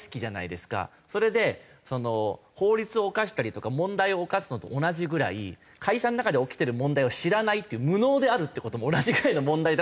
それで法律を犯したりとか問題を犯すのと同じぐらい会社の中で起きてる問題を知らないって無能であるって事と同じぐらいの問題だと思うんですよ。